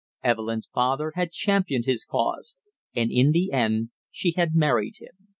Evelyn's father had championed his cause, and in the end she had married him.